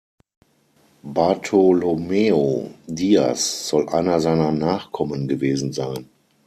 Bartolomeu Dias soll einer seiner Nachkommen gewesen sein.